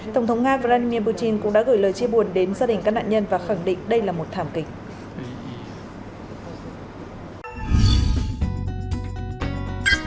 tổng thống nga vladimir putin cũng đã gửi lời chia buồn đến gia đình các nạn nhân và khẳng định đây là một thảm kịch